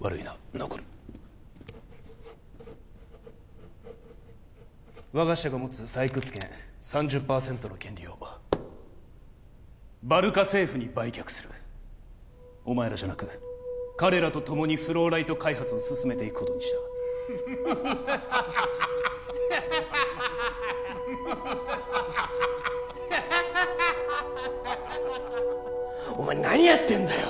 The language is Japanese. ノコル我が社が持つ採掘権３０％の権利をバルカ政府に売却するお前らじゃなく彼らとともにフローライト開発を進めていくことにしたお前何やってんだよ！